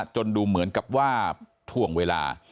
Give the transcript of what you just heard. ดูเหมือนกับว่าถ่วงเวลา